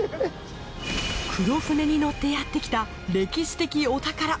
黒船に乗ってやってきた歴史的お宝。